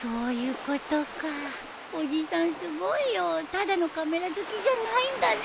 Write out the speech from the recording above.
ただのカメラ好きじゃないんだね。